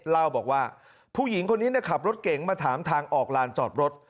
เล่าบอกว่าผู้หญิงคนนี้ขับรถเก๋งมาถามทางออกลานจอดรถ